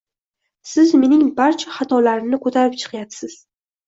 Siz mening barcha xatolarimni koʻtarib chiqyapsiz.